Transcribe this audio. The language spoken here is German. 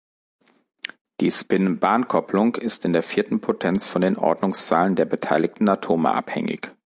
Die Spin-Bahn-Kopplung ist in der vierten Potenz von den Ordnungszahlen der beteiligten Atome abhängig.